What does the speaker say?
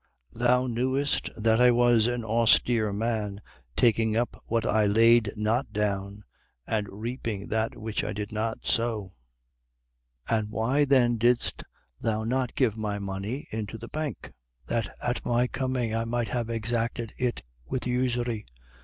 Thou knewest that I was an austere man, taking up what I laid not down and reaping that which I did not sow. 19:23. And why then didst thou not give my money into the bank, that at my coming I might have exacted it with usury?